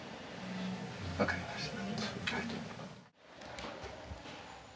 わかりました。